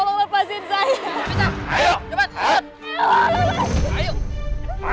kamu berpanjang masalah ini tolong lepasin saya